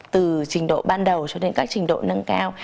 từ trình độ ban đầu cho đến các trình độ nâng cao